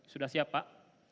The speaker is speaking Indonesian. sudah siap pak